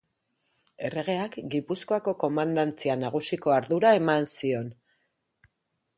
Erregeak Gipuzkoako Komandantzia Nagusiko ardura eman zion.